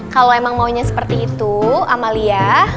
kalau emang maunya seperti itu amalia